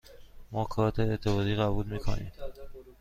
ما کارت اعتباری قبول می کنیم.